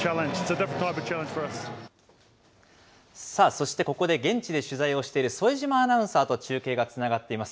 そしてここで現地で取材をしている副島アナウンサーと中継がつながっています。